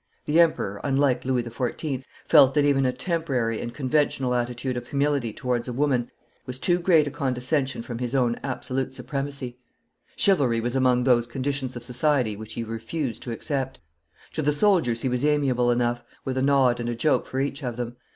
The Emperor, unlike Louis XIV., felt that even a temporary and conventional attitude of humility towards a woman was too great a condescension from his own absolute supremacy. Chivalry was among those conditions of society which he refused to accept. To the soldiers he was amiable enough, with a nod and a joke for each of them.